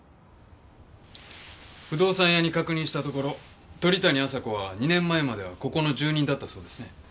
不動産屋に確認したところ鳥谷亜沙子は２年前まではここの住人だったそうですね。